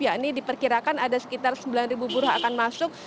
dan diperkirakan ada sekitar sembilan ribu buruh akan masuk